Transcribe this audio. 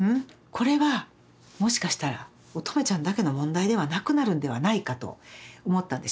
これはもしかしたら音十愛ちゃんだけの問題ではなくなるんではないかと思ったんでしょうね。